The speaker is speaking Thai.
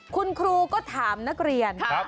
คุณครูก็ถามนักเรียน